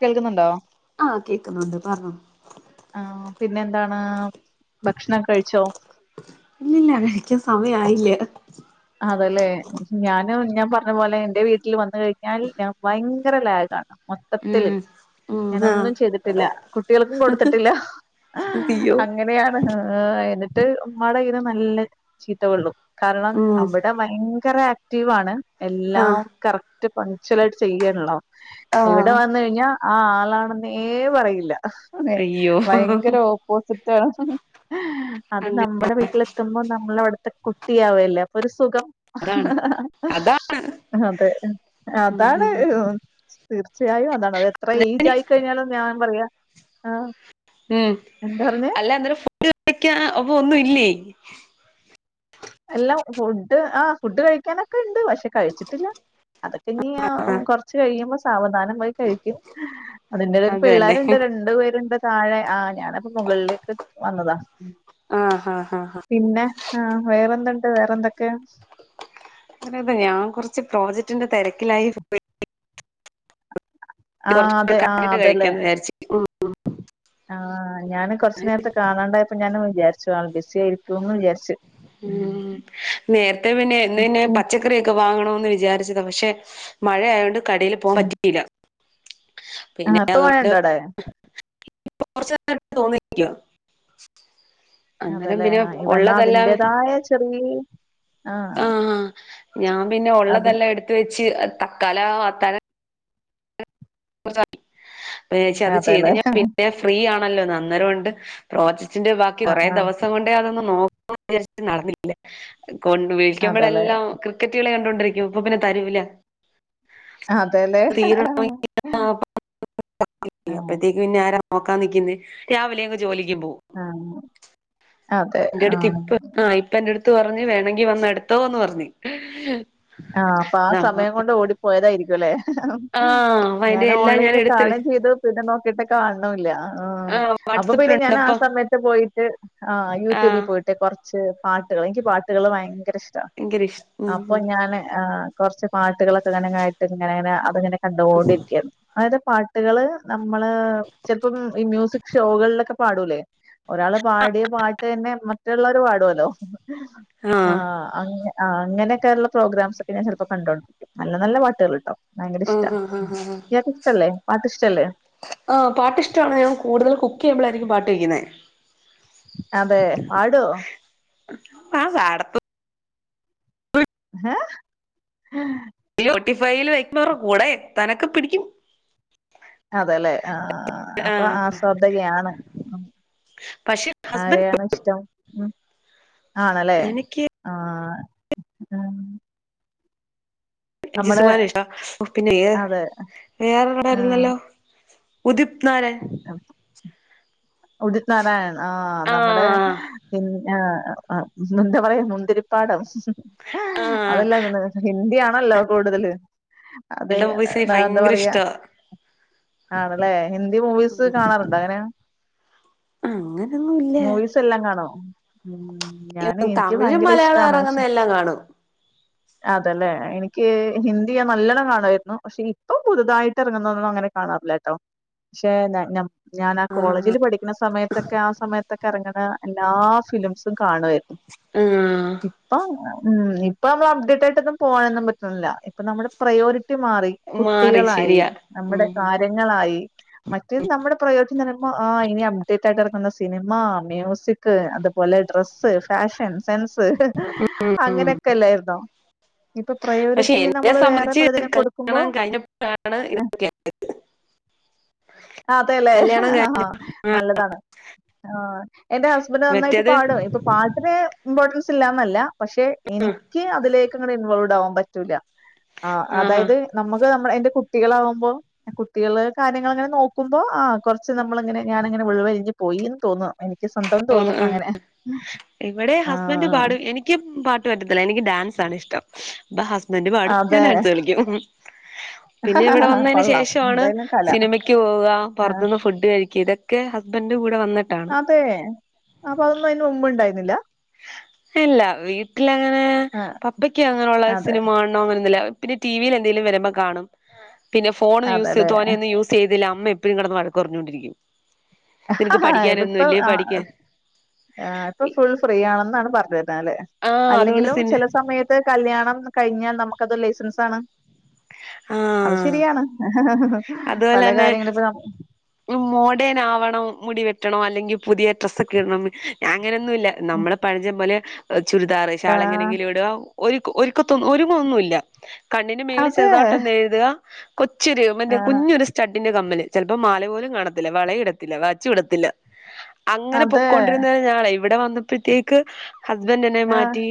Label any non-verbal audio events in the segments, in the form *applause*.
കേൾക്കുന്നുണ്ടോ ആഹ് കേക്കുന്നുണ്ട് പറഞ്ഞോ ആഹ് പിന്നെന്താണ് ഭക്ഷണംഒക്കെ കഴിച്ചോ ഇല്ലില്ല കഴിക്കൻ സമയയില്ലേ അതല്ലേ ഞൻ ഞാൻ പറഞ്ഞ പോലെ എന്റെ വീട്ടില് വന്ന കഴിഞ്ഞാൽ ഭയങ്കര ലാഗാണ് മൊത്തത്തില് ഉം ഉം ആഹ് ഞാനൊന്നും ചെയ്തിട്ടില്ല കുട്ടികൾക്കും കൊടുത്തിട്ടില്ല അയ്യോ അങ്ങനെയാണ് മട്ട് ഉമ്മായുടെ കയ്ന നല്ല ചീത്ത കോള്ളു കാരണം ഉം അവിടെ ഭയങ്കര സ്റ്റീവാണ് എല്ലാം ആഹ് കറക് മ പങ്ച്വലായിട്ട് ചെയ്യണല്ലോ ഇവിടെ ആഹ് വന്ന് കഴിഞ്ഞാ ആഹ് ആളാണെന്നേ പറയില്ല അതെ അയ്യോ ഭയങ്കര ഓപ്പോസിറ്റ് ആണ് ഉം അത് അങ്ങനെ നമ്മുടെ വീട്ടില കത്തുമ്പോ നമ്മള അവിടുത്തെ കുട്ടിയ ആവത്തില്ലേ ഒരു സുഖം അതാണ് അതാ അതെ ഉം അതാണ് ഉം തീർച്ചയായും അതാണ് അത് എത്ര ഏയ്ജ് ഉം ആയിക്കഴിഞ്ഞാലും ഞാൻ പറയാ ആഹ് ഉം എന്താ പറഞ്ഞ അല്ല അന്നേരം ഫുഡ് *unintelligible* കഴിക്ക്യ അപ്പോ ഒന്നു ഇല്ലേ അല്ല ഫുഡ് ആഹ് ഫുഡ് കഴിക്കാനൊക്കെ ഉണ്ട് പക്ഷെ കഴിച്ചിട്ടില്ല അതൊക്കെ ഇഞ് ആഹ് കൊറച്ച് കഴിയുമ്പോ സാവധാനം വഴി കഴിക്കും അതിൻ്റെ എടേല് അത് തന്നെ പിള്ളേര്ണ്ട് രണ്ടു പേരുണ്ട് താഴെ ആഹ് ഞാനപ്പോ മുകള് ലേക്ക് വന്നതാ അഹ് ആഹ് ആഹ് പിന്നെ ആഹ് വേറെ എന്തുണ്ട് വേറെന്തൊക്കെയാ അതെ അതെ ഞാൻ കൊറച്ച് പ്രോജക്ടിന്റെ തെരക്കിലായി പോ *unintelligible* യി കൊ ആ *unintelligible* റച്ച് *unintelligible* കൂ *unintelligible* ടെ കഴിഞ്ഞിട്ട് കഴിക്കാന്ന് വിചാരിച്ച് ആഹ് ഞാന് കുറച്ചു നേരത്തെ കാണാണ്ടായപ്പോ ഞാന് വിചാരിച്ചു ആള് ബിസി ആയിരിക്കുന്ന് വിചാരിച്ചു. ഉം നേരത്തെ പിന്നെ ഇന്ന് പിന്നെ പച്ചക്കറിയെക്കെ വാങ്ങ ണന്ന് വിചാരിച്ചതാ പക്ഷേ മഴ ആയോണ്ട് കടയിൽ പോകാൻ പറ്റിയില്ല. ആ തോനയുണ്ടാവിടെ? കൊറച്ചു നേരം ആയിട്ട് തോർന്നു നിക്കുവാ. അന്നേരം പിന്നെ ഉള്ളതല്ലാം യ ചെറിയ ആഹ് അത് ച്ച് തക്കാലം അത്താഴം *unintelligible* അത് ചെയ്ത് അതെല്ലേ കഴിഞ്ഞാ പിന്നെ ഫ്രീ ആണ്. *unintelligible* അന്നേരമുണ്ട് പ്രൊജ ബാക്കി ആ കുറെ ആ ദിവസം കൊണ്ട് അതെന്ന് നോക്കാന്ന് വിചാരിച്ചിട്ട് നടന്നില്ല കൊണ്ട് അതെല്ലേ വിളിക്കുമ്പോഴെല്ലാം ക്രിക്കറ്റുകളി കണ് കൊണ്ടിരിക്കും ഇപ്പൊ പിന്നെ തരുല അതെല്ലേ? *unintelligible* ആ, അപ്പഴത്തേക്ക് പിന്നെ ആരാ നോക്കാൻ നിക്കുന്നേ രാവിലെ അങ്ങ് ജോലി ആഹ് എന്റെ അടുത്ത് ഇപ്പ ആഹ് എന്റെ അടു എത്ത് പറഞ്ഞ് വേണെങ്കി വന്ന് എടുത്തോന്ന് പറഞ്ഞ്. ആഹ് പ്പൊ ആഹ് നമ്മ സമയം കൊണ്ട് ഓടി പോയതായിരിക്കും അല്ലേ? ആഹ് അപ്പ അയിന്റെ ഞാൻ എല്ലാം ഓൺലൈനിൽ എടുത്ത് വെ കാണുകയും ചെയ്തു പിന്നെ നോ കാണുണൂല്ല. ആ ആഹ് അപ്പൊ പിന്നെ ഞാൻ ആ വാട്സപ്പിലുണ്ടപ്പ സമയത്ത് പോയിട്ട് ആ ആഹ് യൂട്യൂബിൽ പോയിട്ട് കുറച്ച് പാട്ടുകൾ എനിക്ക് പാട്ടുകൾ ഭയങ്ക കര ഇഷ്ട ഭയങ്കര ഇഷ് ഉം അപ്പൊ ഉം ഞാന് ആ കുറച്ച് പാട്ടുകളൊക്കെ ങ്ങനെങ്ങനെ കേട്ട് ഇങ്ങനങ്ങനെ അതിങ്ങനെ കണ്ടുകോണ്ടിരിക്കയാണ്. അതായത് പാട്ടുകള് നമ്മള് ചെലപ്പം ഈ മ്യൂസിക് ഷോകളിലൊക്കെ പാടൂലേ ഒരാള് പാടിയ പാട്ട് തന്നെ മറ്റുള്ളവർ പാടുല്ലോ. ആ ആഹ് അങ്ങ ആ അങ്ങനെയൊക്കെയുള്ള പ്രോഗ്രാംസ് ചിലപ്പോ കണ്ടോണ്ടിരിക്കും. നല്ല നല്ല പാട്ടുകൾ ട്ടോ. ഭയങ്കര ആ ഇഷ്ടാ ഹ ഹാ ഹാ. ഇയാക്ക് ഇഷ്ടല്ലേ പാട്ട് ഇഷ്ടല്ലേ ആ പാട്ട് ഇഷ്ടമാണ് ഞാൻ കൂടുതൽ കുക് യ്യുമ്പളായിരിക്കും പാട്ട് കേൾക്കുന്നേ. അതെ, പാടോ? ആ പാടതൊന്നു ഏഹ് ഹെ. ട്ടിഫൈൽ വയ്ക്കുന്നവരുടെ കൂടെ എത്താനൊക്കെ പിടിക്കും. അതെ ലേ. ആ അപ്പൊ ആഹ് ആസ്വാദകയാണ്. പക്ഷെ ഹസ്ബൻഡ് ആരെയാണ് ഇഷ്ടം? ആണല്ലേ. എനിക്ക് ആ. ഉം എം ജി നമ്മുടെ ശ്രീകുമാറിനെ ഇഷ്ടവാ. പിന്നെ അതെ ആഹ് വേറൊരന്നല്ലോ? ഉതിപ് നാരാ ഉദിത് നാരായൺ. ആ നമ്മുടെ ആഹ് പിൻ എ ആ എന്താ പറയാ മുന്തിരിപ്പാടം ആഹ് ആഹ് ആഹ് അതല്ല ന് ഹിന്ദി ആണല്ലോ കൂടുതല്. അത് ആൾടെ വോയിസ് എനിക്ക് എന്താ ഭയങ്കര പറയാ ഇഷ്ടവാ ആണല്ലേ ഹിന്ദി മൂവീസ് കാണാറുണ്ടോ? എങ്ങനെയാ? അങ്ങൻ മൂവിസ് എല്ലാം കാണോ? ഉം ഞാന് എനിക്ക് തമിഴും ഭയങ്കര മലയാളം ഇറങ്ങുന്ന എല്ലാം കാണും. അതെ ല്ലേ. എനിക്ക് ഹിന്ദിയ നല്ലോണം കാണുമായിരുന്നു. പക്ഷെ ഇപ്പൊ പുതുതായിട്ട് ഇറങ്ങുന്ന ഒന്നും അങ്ങനെ കാണാറില്ല ട്ടോ. പക്ഷെ ഞ ഞ ഞാൻ ആ ആഹ് കോളേജിൽ പഠിക്കുന്ന സമയത്തൊക്കെ ആ സമയത് ങ്ങനെ എല്ലാ ഫിലിംസും കാണുമായിരുന്നു. ആഹ് ഇപ്പൊ ഉം ഇപ്പൊ നമ്മൾ അപ്ഡേറ്റ് ആയിട്ടൊന്നും പോകാനൊന്നും പറ്റുന്നില്ല. ഇപ്പൊ നമ്മുടെ പ്രയോറി കുട്ടിമാറി മാറി കുട്ടികളായി ശരിയാ നമ്മുടെ ഉം കാര്യങ്ങളായി മറ്റേത് നമ്മുടെ പ്രയോ ങ്ങനെ പ്പൊ ആ ഇനി അപ്ഡേറ്റായിട്ടിറങ്ങുന്ന സിനിമ ആ മ്യൂസിക് അതുപോലെ ഡ്രസ്സ് ഫാഷൻ സെൻസ് ഉം അങ്ങനൊക്കെല്ലായിുന്നോ ഇപ്പൊ പക്ഷെ പ്രയോറിറ്റി എന്നെ നമ്മൾ വേറെ സംബന്ധിച്ച് പലതിനും കൊടുക്കുമ്പോ കല്യാണം കഴിഞ്ഞപ്പോഴാണ് ഇത് അതെല്ലേ കല്യാണം കഴി നല്ലതാണ് ആ എന്റെ ഹസ്ബന്റ് നന്നായിട്ട് മറ്റേത് പാടും ഇപ്പൊ പാട്ടിന് ഇമ്പോർട്ടൻസ് ഇല്ലാന്നല്ല പക്ഷെ എനിക്ക് അതിലേക്കിങ്ങെനെ ഇൻവോൾവ് ഉണ്ടാവാൻ പറ്റൂല ആ ആഹാ അതായത് നമുക്ക്ന മ്മളെത് കുട്ടികളാകുമ്പോ കുട്ടികള് കാര്യങ്ങളങ്ങനെ നോക്കുമ്പോ ആ കുറച്ച് നമ്മള്ങ്ങനെ ഞാന് ഇങ്ങനെ ഉൾവലിഞ്ഞു പോയീന്ന് തോന്നഎനി ക്ക് സ്വന്തം തോന്നു തോന്നും ആഹ് അങ്ങനെ ഇവിടെ ഹസ്ബന്റ് ആഹ് പാടും എനിക്ക് പാട്ട് പറ്റത്തില്ല എനിക്ക് ഡാൻസാണ് ഇഷ്ടം പ്പ ഹസ്ബന്റ് പാടും ഞാൻ അതെ ഡാൻസ് കളിക്കും പിന്നെ ഇവിടെ വന്നതിന് കൊള്ളാം ശേഷാണ് എന്തായാലും കല സിനിമയ്ക്ക് പോവ ആഹ് പൊറത്തുന്ന് ഫുഡ് കഴിക്ക ഇതൊക്കെ ഹസ്ബൻഡ് കൂടെ വന്നിട്ടാണ് അതെ അപ്പൊ അതൊന്നും അയ്ന് മുമ്പുണ്ടായി ട്ടില്ലാ ഇല്ല വീട്ടിലങ്ങനെ ആഹ് പപ്പക്ക് അങ്ങനെയുള്ള അതെ സിനിമാണൊന്നുല്ല പിന്നെ ടിവിയിൽ എന്തെങ്കലും വരുമ്പോ കാണും പിന്നെ ഫോൺ യൂസ് അതെല്ലെ തോനെൊന്നും യൂസ് ചെയ്തില്ല അമ്മയും ഇപ്പീ കടന്ന് വഴക്ക് പറഞ്ഞൊണ്ടിരിക്കും *unintelligible* ആ പഠിക്കാൻ ഇപ്പൊ ഫുൾ ഫ്രീ ആണെന്നാണ് പറെ പ ന്താല്ലെ ആഹ് അതുകൊണ്ട് അല്ലെങ്കിലും സിനി ചെല സമയത്ത് കല്യാണം കഴിഞ്ഞാൽ നമുക്ക് അതൊരു ലൈസൻസാണ്. അത് ശരിയാണ്. പല അതുഓലെന്നെ കാര്യങ്ങളും ഇപ്പ നം മോഡേൺ ആവണം മുടിവെ ട്ടണം അല്ലെങ്കിൽ പുതിയ ഡ്രസ്സൊക്കിടണം ഞാൻ അങ്ങനൊന്നുല്ല നമ്മളെ പഴഞ്ചം പോലെയൊ ചുരിദാറ് ആഹ് ഷാളെങ്ങനെങ്കിലും ഇടുവാ ഒരു ഒരുക്കത്തൊന്നു ഒരുങ്ങൊന്നുമില്ല. കണ്ണിന് മേളിൽ അതെ ചെറുതായിട്ടൊന്ന് എഴുതുക കൊച്ചിരികം മെന്റെ ആഹ് കുഞ്ഞൊരു സ്റ്റഡ് ട്ടിന്റെ കമ്മല് ചെലപ്പോ മാല പോലും കാണത്തില്ല വള ഇടത്തില്ല വച്ചും ഇടത്തില്ല. അതെ അങ്ങനെപൊക്കോണ്ടിരുന്നയ് ഞാനാ ഇവടെ വന്നപ്പഴ്‌ത്തേക്ക് ഹസ്ബൻഡ് എന്നെ ആഹ് മാറ്റി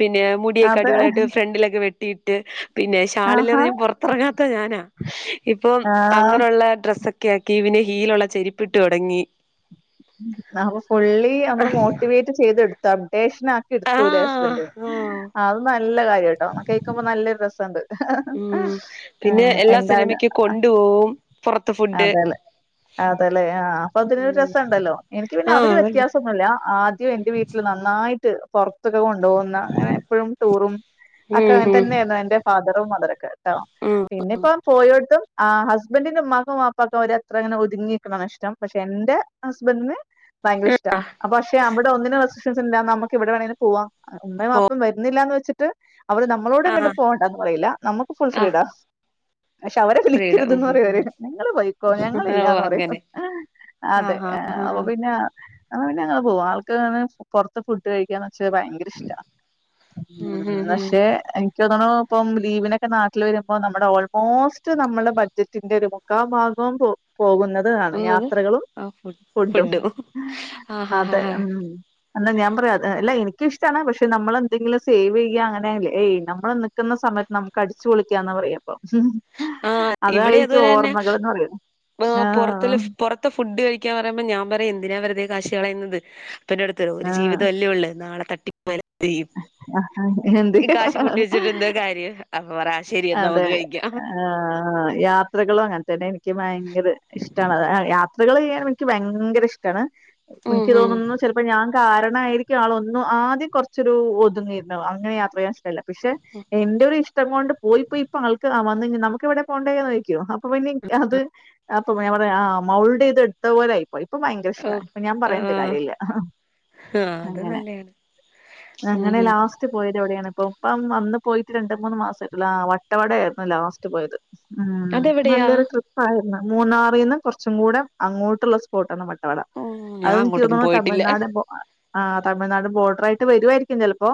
പിന്നെ മുടിയൊക്കെ അത് അടിപൊളിയായിട്ട് ഫ്രണ്ടിലൊക്കെ വെട്ട് ട്ടിട്ട് പിന്നെ ഷാളില്ലാതെ ആഹാ ഞാൻ പൊറത്തിറങ്ങാത്ത ഞാനാ. ഇപ്പം ആഹ് അങ്ങനൊള്ള ഡ്രസ്സക് കെ കീവിന് ഹീലുള്ള ചെരിപ്പിട്ട് തൊടങ്ങി. അപ്പൊ പുള്ളി അന്ന് മോട്ടിവേറ്റ് ചെയ്തെടുത് അപ്ഡേഷ് നാക്കി എടുത്തൂലെ ആഹ് ഹസ്ബൻഡ് ആഹ് അത് നല്ല കാര്യ കേക്കുമ്പോ നല്ലെരു രേസോണ്ട്. ഉം പിന്നെ എല്ലാ സിനിമക്കും കൊണ്ടു പോകും അതെലേ അതെലേ ആ അപ്പ അതിനൊരു ഉം രസണ്ടല്ലോ എനിക്ക് പിന്നെ ആഹ് അതില് അതണ്ട് വ്യത്യാസം ഒന്നുല്ല ആദ്യം എന്റെ വീട്ടില് നന്നായിട്ട് പൊറത്ത് കൊണ്ടൊവുന്ന ങ്ങനെ എപ്പഴും ടൂറും അക്കെ ഉം ഉം അങ്ങേൻത്തന്നയിരുന്നു എന്റെ ഫാ *unintelligible* കേട്ടോ ഉം പിന്നിപ്പം പോയോട്ത്തും ആ ഹസ്‌ബെൻഡിന് മക്ക്‌ ക്കും ബാപ്പാക്കും അവര് അത്ര അങ്ങനെ ഒരുതുങ്ങിക്കണഷ്ടം പക്ഷെ എന്റെ ഹസ്ബൻഡിന് ഭയങ്കര ഇഷ്ട അപ് ഷെ അവടെ ഒന്നിന് നമുക്ക് എന്താ നമുക്ക് എവിടെവേണങ്കിലും പോവാ എന്തേ അപ്പം വരുന്നില്ലാന്ന് വെ ച്ചിട്ട് അവര് നമ്മളോട് ആഹ് എങ്ങട്ടും പോകേണ്ടന്ന് പറയില്ല നമുക്ക് ഫുൾ ആഹ് ഫ്രീടാ പക്ഷെ അവരെ ഫ്രീഡം ഉം വിളിക്കരുതാന്ന് പറയും ഉം അവര് ഉം നിങ്ങൾ പോയിക്കോ ഓഹ് ഞങ്ങൾല്ലാന്ന് പറയും അങ്ങനെ അതെ ആഹ് ആഹ് അപ്പൊ ആഹ് പിന്നെ അ പിന്നെ അങ്ങെനെ പോകും ആൾക്ക്ങ്ങനെ പുറത്ത് ഫുഡ് കഴിക്കാ പക്ഷെ ഭയങ്കര ഇഷ്ട ഉ ഉം ഉം ഉം പക്ഷെ എനിക്ക് തോന്നുണു ഇപ്പം ലീവിനൊക്കെ നാട്ടിൽ വരുമ്പോ നമ്മുടെ ഓൾമോസ്റ്റ് നമ്മുടെ ബഡ്ജറ്റിന്റെ ഒരു മുക്കാൻ ഭാഗവും പോകും പോകുന്നതാണ് എന്നത് യാത്രകളും ആ ഫു ഫുഡും ഫുഡ് ആ ഹാ ഹാ അതെ ഹാ ഉ എന്നാൽ ഞാൻ പറയാ അല്ല എനിക്ക് ഇഷ്ട ഇഷ്ട്ടാണ് പക്ഷെ നമ്മളെന്തെങ്കിലും സേവ് ചെയ്യാ അങ്ങനെല്ലേ ഏയ് നമ്മൾ നിക്കുന്ന സമയത്ത് നമുക്ക് അടിച്ച് പൊളിക്കാന്ന് പറയാപ്പം ആഹ ഇവിടെ അതുപോലെ തന്നെ *inaudible* ആ ആഹ് പുറത്തിൽ പുറത്തെ ഫുഡ് കഴിക്കാൻ പറയുമ്പോ ഞാൻ പറയാ എന്തിനാ വെറുതെ ക്യാഷ് കളയുന്നത് അപ്പൂന്റെടുത്ത് ഒരു ജീവിതം അല്ലേ ഉള്ളൂ നാളെ തട്ടി ആഹ് എന്ത് *unintelligible* ക്യാഷ് പൂട്ടി വെച്ചിട്ട് എന്താ കാര്യം അപ്പൊ പറ ശരി എന്നാ അതെ നമുക്ക് കഴിക്കാം ആ യാത്രകളും അങ്ങനെ തന്നെ എനി *inaudible* *unintelligible* ഇഷ്ടമാണ് യാത്രകൾ ചെയ്യാൻ എനിക്ക് ഭയങ്കര ഇഷ്ടമാണ് എനിക്ക് ഉം ഉം തോന്നുന്നു ചിലപ്പോ ഞാൻ കാരണായിരിക്കും ആൾ ഒന്ന് ആദ്യം കുറച്ചൊരു ഒതുങ്ങിയിരുന്നു അങ്ങനെ യാത്ര ചെയ്യാൻ ഇഷ്ട്ടല്ല പക്ഷെ എന്റെ ഒരു ഇഷ്ടം കൊണ്ട് ഇപ്പൊ ഇപ്പൊ ആൾക്ക് വന്നാ നമുക്ക് എവിടെ പോണ്ടേന്ന് ചോയിക്കും അപ്പൊ പിന്നെ അത് അപ്പൊആ മൗൾഡ് ചെയ്ത് എടുത്ത പോലൊയി ഇപ്പൊ ഭയങ്കര ഇഷ്ട ഓ ഇപ്പ ഞാൻ ആ പറയണ്ട കാര്യല്ല ആ അത് അങ്ങനെ നല്ലയാണ് ഉം അങ്ങനെ ഉം ലാസ്റ്റ് പോയത് എവിടെയാണ് ഇപ്പപ്പം വന്ന് പോയിട്ട് രണ്ട് മൂന്ന് മാസംആയി വട്ടവട ആായിരുന്നു ലാസ്റ്റ് പോയത് ഉം അതെവിടെയാ നല്ലൊരു ട്രിപ്പ് ആായി മൂന്നാറിൽന്ന് കുറച്ചും കൂടെ അങ്ങോട്ടുള്ള സ്പോട്ടാണ് വ ട്ടവട ഉം ഞാൻ അത് എനിക്ക് അങ്ങോട്ടൊന്നും തോന്നുന്നു പോയിട്ടില്ല തമിഴ്നാട് ആഹ് തമിഴ്നാട് ബോർഡറായിട്ട് വരുവായിരിക്കും ചിലപ്പോ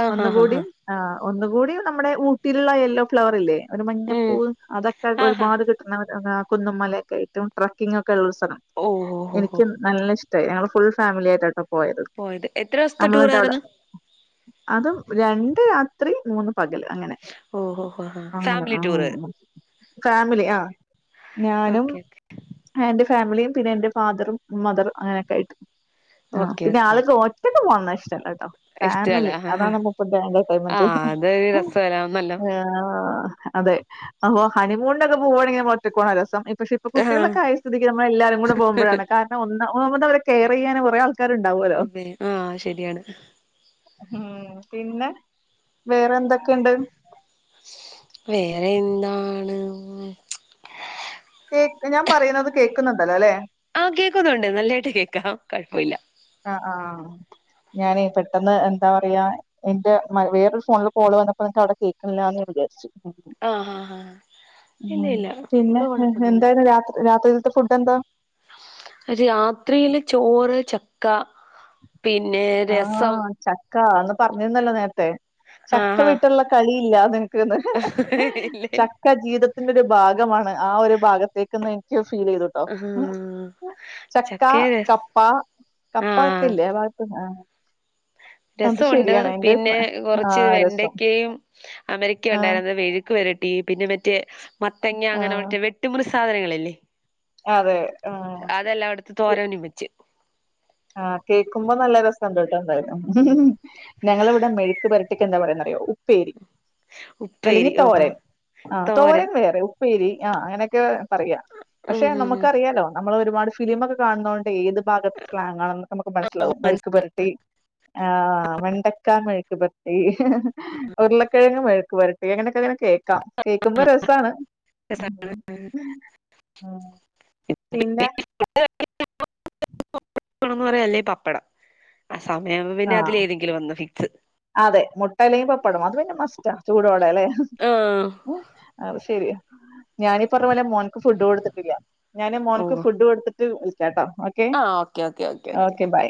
ആ ഹാ ഹാ ഹാ ഒന്നുകൂടിയും ആ ഒന്ന് കൂടി നമ്മുടെ തിരുള യെല്ലോ ഫ്ലവർ ഇല്ലേ ഒരു ഉം മഞ്ഞപ്പൂവ് അതൊക്കെ ആ ഹാ ഒരുപാട് കിട്ടുന്നവ ആ ഹാ കുന്നുമല ഒക്കൊയിട്ടും ട്രക്കിങ് ഒക്കെ കലോത്സവം ഓ ഓ ഓ ഓ എനിക്ക് നല്ലഇഷ് ഞങ്ങള് ഫുൾ ഫാമിലി ആയിട്ടാട്ടോ പോയത് എത്ര ദിവസത്തെ നമ്മളിവിടെ ടൂറായിരുന്നു അതും രണ്ട് രാ രാത്രി മൂന്ന് പകൽ അങ്ങനെ അങ്ങനെ ഫാമിലി ആ ടൂറ് ഫാമിലി ആ ഞാനും ഓക്കെ എന്റെ ഫാമിലിയും പിന്നെ എന്റെ ഫാദറും മദറും അങ്ങനെയൊക്കെ ആയിട്ട് ആ ഓക്കെ പിന്നെ ഓക്കെ ആൾക്ക് ഓക്കെ ഒറ്റക്ക് പോന്ന ഇഷ്ട്ടല്ല ഇഷ്ടല്ല ഫാമിലി ആ അതാണ് മൂപ്പര്ടെ ആ എന്റർടെയ്മെന്റ് അതൊരു രസല്ലാന്നല്ലോ ആ അതെ അപ്പൊ ഹണിമൂണി ഒക്കെ പോകുവാണെങ്കിൽ ഒറ്റപോണ രസം പക്ഷെ ഇപ്പൊ ആ കുട്ടികളുടെ കാര്യസ്ഥിതിക്ക് നമ്മൾ എല്ലാരും കൂടെ പോകുമ്പോഴാണ് കാരണം ഒന്ന് ഒന്നത് അവരെ കെയർ ചെയ്യാന കുറെേ ആൾക്കാരുണ്ടാവുമല്ലോ പിന്നെ ആ ശരിയാണ് ഉം പിന്നെ വേറെ എന്തൊക്കെയുണ്ട് വേറെ എന്താണ് ഇപ്പ ഞാൻ പറയുന്നത് കേൾക്കുന്നുണ്ടല്ലോ അല്ലെ ആഹ് കേക്കുന്നുണ്ട് നല്ലായിട്ട് കേൾക്കാം കുഴപ്പമില്ല ആ ആ ഞാന് പെട്ടെന്ന് എന്താ പറയാ എന്റെ വേറൊരു ഫോണില് കോള് വന്നപ്പോ നിനക്ക് അവിടെ കേക്കണില്ലന്ന് വിചാരിച്ചു ആ ആ ആ ഇല്ല ഇല്ല പിന്നെ ഇവിടെ കുഴപ്പൊന്നുമില്ല എന്തായരുന്നു രാത്രി രാത്രിഇൽ ഫുഡ്‌താ രാത്രിയില് ചോറ് ചക്ക പിന്നെ രസം കാന്ന് പറഞ്ഞിരുന്നല്ലോ നേരാ ത്തെ ആ ചക്ക ആ വിട്ടുള്ള കളി ഇല്ല അത് ഇല്ല ഇല്ല ചക്ക ജീവിതത്തിന്റെ ഒരു ഭാഗമാണ് ആ ഒരു ഭാഗത്തേക്ക്ന്ന് എനിക്ക് ഫീൽ ചെയ്തുട്ടോ ആ ചക്ക ചക്കയും രസ കപ്പ കപ്പ ഇല്ലേ ആ ഭാഗത്ത്‌ന്ന് രസമുണ്ട് പിന്നെ ആ കുറച്ച് രസം വെണ്ടക്കയും അമരക്കയും ആ ഉണ്ടായിരുന്നത് വെഴുക്ക് വരട്ടി ട്ടി പിന്നെ മറ്റേ മത്തങ്ങ ആ അങ്ങനെ വെട്ടുമൂറി സാധനങ്ങളല്ലേ അതെ ആഹ് തോരനും വെച്ച്. ആഹ് കേൾക്കുമ്പോ നല്ല രസണ്ട് ഉം. ണ്ടായ്ര്ന്നു ഞങ്ങളവിടെ മെഴുക്കു പരട്ടി എന്താ പറയാന്നറിയോ ഉപ്പേരി ഉപ്പേരി അല്ലെങ്കിൽ ഓഹോ തോരൻ ആ തോരൻ വേറെ ഉപ് പേരി ആ അങ്ങനെക്കെ പറയാ ഉം പക്ഷെ ഉം ഉം നമുക്കറിയാലോ നമ്മളൊരുപാട് ഫിലിമൊക്കെ കാണുന്നോണ്ടെ ഏത് ഭ സ്ലാങ്ങാണക്കെ നമുക്ക് മനസ്സിലാവും മെഴക്കു പുരട്ടി ആ് വെണ്ടക്ക മെഴുക് ക് പത്തി ഉരുളക്കിഴങ്ങ് മെഴുക് മെഴുക്കുപുരട്ടി അങ്ങനൊക്കെങ്ങനെ കേ ക്കാം കേക്കുമ്പോ രസാണ് പിന്നെ *unintelligible* പറയാ അല്ലെ പപ്പടം സമയം പിന്നെ ആഹ് അതിലേതെങ്കിലൊന്ന് ഫിക്സ് പ്പടം അത്ന്നെ മസ്റ്റ ചൂടൊ ടല്ലെ ആഹ് അത് ശരി ഞാനി പറഞ്ഞ പോലെ മോ ക്ക്ഫുട് കൊടുതിട്ടില്ല ഞന് മോന്ക്ക് ഓഹ് ഫുട് കൊടുതിട്ട് വി കേട്ടോ ഓക്കെ ആഹ് ഓക്കെ ഓക്കെ ഓക്കെ ബൈ